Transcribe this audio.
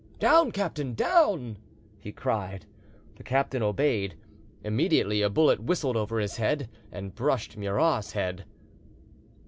"Down, captain, down!" he cried. The captain obeyed. Immediately a bullet whistled over his head and brushed Murat's head.